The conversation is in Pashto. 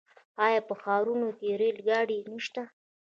آیا په ښارونو کې ریل ګاډي نشته؟